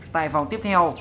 tại vòng tiếp theo